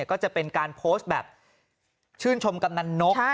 ก็จะเป็นการโพสต์แบบชื่นชมกำนันนก